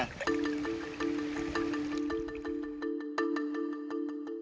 sampah plastik di laut